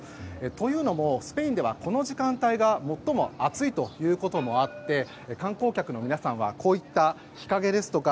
というのもスペインではこの時間帯が最も暑いということもあって観光客の皆さんはこういった日陰ですとか